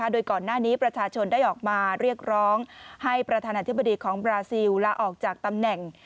โดยก่อนหน้านี้ประชาชนได้ออกมาเรียกร้องให้ประธานาธิบดีของบราซิลลาออกจากตำแหน่ง